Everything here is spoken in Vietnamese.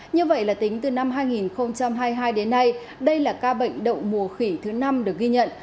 như vậy là tính từ năm hai nghìn hai mươi hai đến nay đây là ca bệnh đậu mùa khỉ thứ năm được ghi nhận